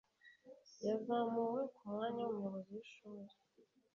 yazamuwe ku mwanya w'umuyobozi w'ishuri